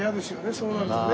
そうなるとね。